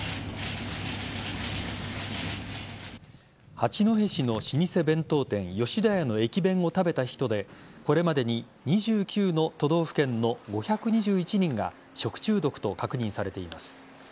八戸市の老舗弁当店吉田屋の駅弁を食べた人でこれまでに２９の都道府県の５２１人が食中毒と確認されています。